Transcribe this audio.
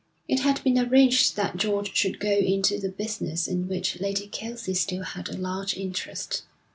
It had been arranged that George should go into the business in which Lady Kelsey still had a large interest.